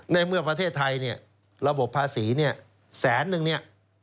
ในเมื่อประเทศไทยเนี่ยระบบภาษีเนี่ยแสนนึงเนี่ย